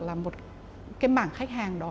là một cái mảng khách hàng đó